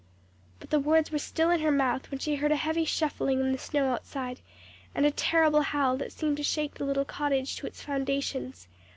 "But the words were still in her mouth when she heard a heavy shuffling in the snow outside, and a terrible howl that seemed to shake the little cottage to its foundations.